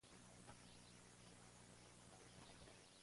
Hasta ahora se encuentra desaparecido.